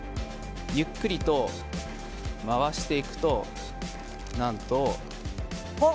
ゆっくりと回していくと何と。